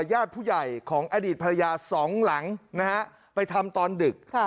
ญาติผู้ใหญ่ของอดีตภรรยาสองหลังนะฮะไปทำตอนดึก